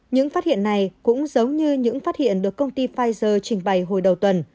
những phát hiện này cũng giống như những phát hiện được công ty pfizer trình bày hồi đầu tuần